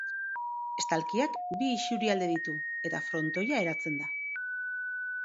Estalkiak bi isurialde ditu eta frontoia eratzen da.